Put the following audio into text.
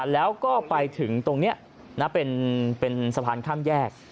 แล้วก็ไปถึงตรงนี้เป็นสะพานข้ามแยก